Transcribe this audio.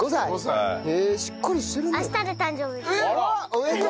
おめでとう！